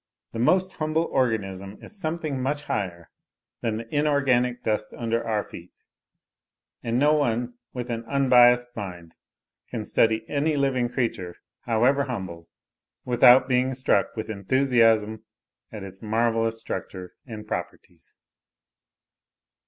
The most humble organism is something much higher than the inorganic dust under our feet; and no one with an unbiassed mind can study any living creature, however humble, without being struck with enthusiasm at its marvellous structure and properties.